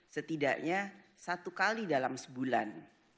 setidaknya satu kali dalam sebulan